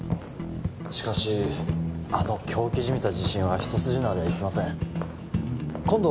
しかしあの狂気じみた自信は一筋縄ではいきません今度